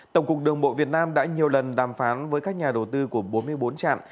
tổng cục đường bộ việt nam đã nhiều lần đàm phán với các nhà đầu tư của bốn mươi bốn trạm